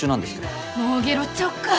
もうゲロっちゃおうか。